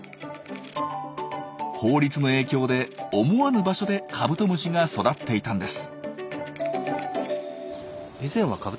法律の影響で思わぬ場所でカブトムシが育っていたんです。